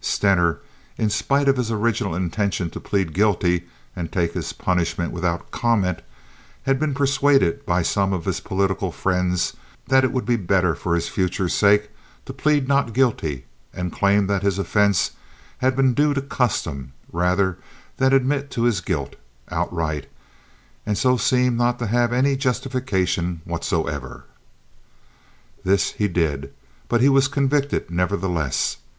Stener, in spite of his original intention to plead guilty and take his punishment without comment, had been persuaded by some of his political friends that it would be better for his future's sake to plead not guilty and claim that his offense had been due to custom, rather than to admit his guilt outright and so seem not to have had any justification whatsoever. This he did, but he was convicted nevertheless.